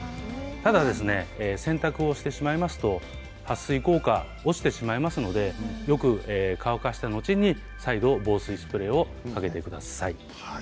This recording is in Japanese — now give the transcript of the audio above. ただ洗濯をしてしまいますとはっ水効果は落ちてしまいますのでよく乾かした後に再度防水スプレーをかけてください。